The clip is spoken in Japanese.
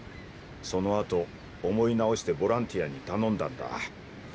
そのあと思い直してボランティアに頼んだんだ。